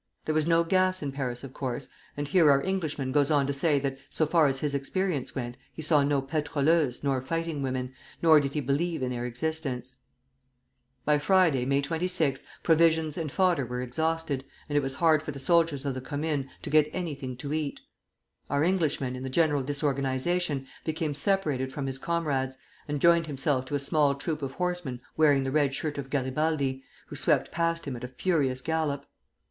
There was no gas in Paris, of course. And here our Englishman goes on to say that so far as his experience went, he saw no pétroleuses nor fighting women, nor did he believe in their existence. By Friday, May 26, provisions and fodder were exhausted, and it was hard for the soldiers of the Commune to get anything to eat. Our Englishman, in the general disorganization, became separated from his comrades, and joined himself to a small troop of horsemen wearing the red shirt of Garibaldi, who swept past him at a furious gallop.